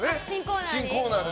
新コーナーに。